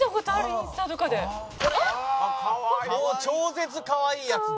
もう超絶かわいいやつ。